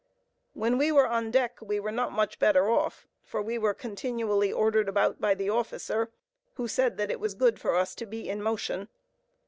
When we were on deck we were not much better off, for we were continually ordered about by the officer, who said that it was good for us to be in motion.